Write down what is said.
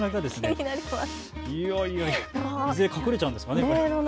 いずれ隠れちゃうんですかね。